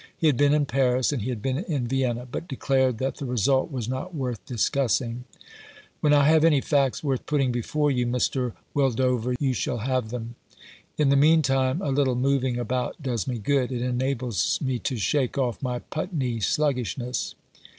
He had been in Paris, and he had been in Vienna, but declared that the result was not worth discussing. "When I have any facts worth putting before you, Mr. Wildover, you shall have them. In the meantime a little moving about does me good. It enables me to shake off my Putney sluggish ness."